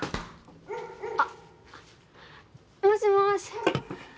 あっもしもし。